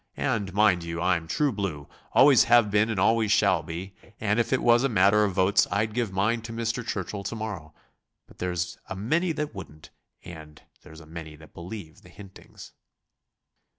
And, mind you, I'm true blue, always have been and always shall be, and, if it was a matter of votes, I'd give mine to Mr. Churchill to morrow. But there's a many that wouldn't, and there's a many that believe the hintings.'"